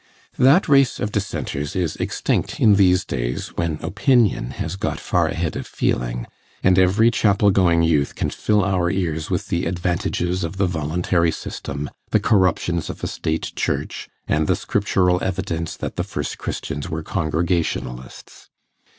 That race of Dissenters is extinct in these days, when opinion has got far ahead of feeling, and every chapel going youth can fill our ears with the advantages of the Voluntary system, the corruptions of a State Church, and the Scriptural evidence that the first Christians were Congregationalists.